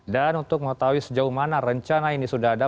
untuk mengetahui sejauh mana rencana ini sudah ada